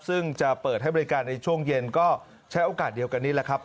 ซึ่งจะเปิดให้บริการในช่วงเย็นก็ใช้โอกาสเดียวกันนี่แหละครับ